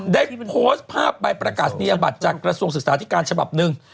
ได้โพสต์ภาพใบประกาศนียบัตรจากกระทรวงศึกษาธิการฉบับหนึ่ง